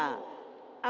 pertanyaan kita semua